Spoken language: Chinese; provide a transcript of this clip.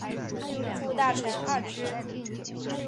副大臣贰之。